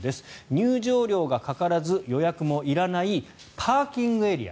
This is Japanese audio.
入場料がかからず予約もいらないパーキングエリア